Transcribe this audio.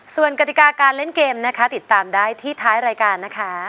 ส่วนกติกาการเล่นเกมนะคะติดตามได้ที่ท้ายรายการนะคะ